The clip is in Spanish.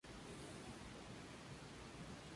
Tienen dos hijos juntos, Cooper Dominic Zee y Michaela Zee.